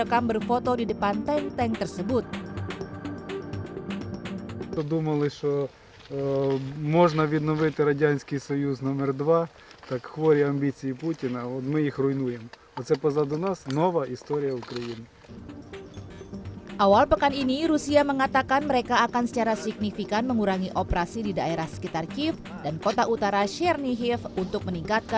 kepulan rusia telah menghancurkan banyak permukiman di sekitar daerah tersebut